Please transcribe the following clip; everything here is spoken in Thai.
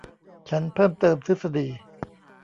ฉันเพิ่มเติมทฤษฎี